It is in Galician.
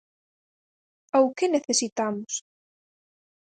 Ou que necesitamos.